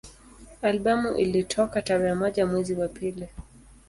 Albamu ilitoka tarehe moja mwezi wa pili